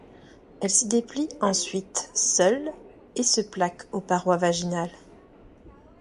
Elle s'y déplie ensuite seule et se plaque aux parois vaginales.